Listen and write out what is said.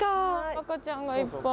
赤ちゃんがいっぱい。